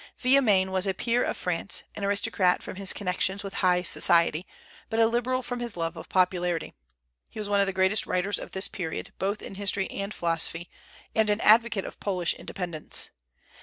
Villemain was a peer of France, an aristocrat from his connections with high society, but a liberal from his love of popularity. He was one of the greatest writers of this period, both in history and philosophy, and an advocate of Polish independence.